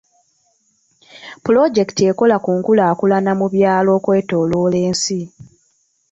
Pulojekiti ekola ku nkulaalulana mu byalo okwetooloola ensi.